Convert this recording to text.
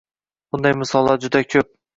Bunday misollar juda ko‘p.